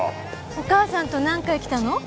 お母さんと何回来たの？